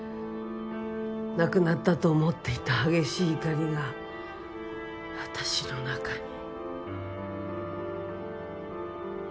なくなったと思っていた激しい怒りが私の中に。